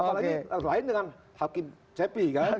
apalagi lain dengan hakim cepi kan